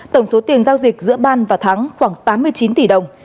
tổng số tiền giao dịch giữa ban và thắng khoảng tám mươi chín tỷ đồng